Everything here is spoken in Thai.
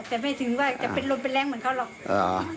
แต่ไม่ถึงว่าจะเป็นลมเป็นแรงเหมือนเขาหรอก